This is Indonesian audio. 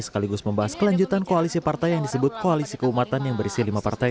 sekaligus membahas kelanjutan koalisi partai yang disebut koalisi keumatan yang berisi lima partai